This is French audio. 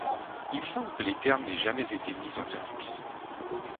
Il semble que les thermes n'aient jamais été mis en service.